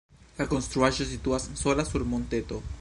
La konstruaĵo situas sola sur monteto.